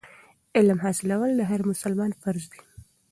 علم حاصلول د هر مسلمان فرض دی.